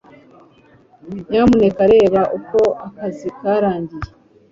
Nyamuneka reba ko akazi karangiye